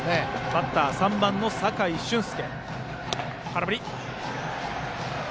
バッターは３番の酒井駿輔。